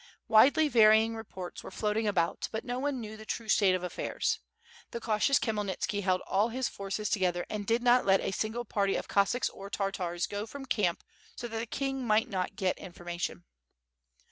Widely varying reports were floating about, but no one knew the true state of affairs. The cautious Khmyelnitski held all his forces together and did not let a single party of Cossacks or Tartars go from camp so that the king might not get information.